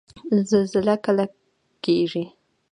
زلزله کله کیږي؟